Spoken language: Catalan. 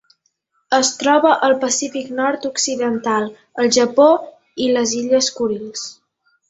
Es troba al Pacífic nord-occidental: el Japó i les Illes Kurils.